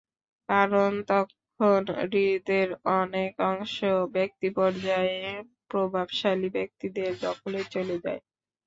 কারণ, তখন হ্রদের অনেক অংশ ব্যক্তিপর্যায়ে প্রভাবশালী ব্যক্তিদের দখলে চলে যায়।